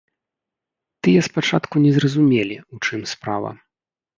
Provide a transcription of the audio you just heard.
Тыя спачатку не зразумелі, у чым справа.